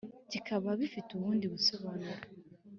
bikaba bifite ubundi busobanuro